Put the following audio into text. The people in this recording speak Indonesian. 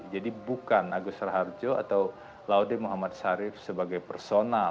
jadi bukan agus serharjo atau laude muhammad sharif sebagai personal